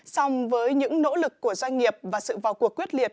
song với những nỗ lực của doanh nghiệp và sự vào cuộc quyết liệt